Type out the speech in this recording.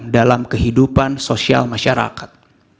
dalam kehidupan sosial masyarakat